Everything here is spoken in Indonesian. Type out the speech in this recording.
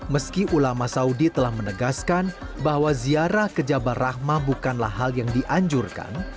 meski ulama saudi telah menegaskan bahwa ziarah ke jabal rahmah bukanlah hal yang dianjurkan